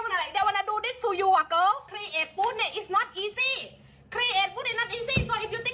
ล่านเวที่เป็นแย่แล้วเรารวดลง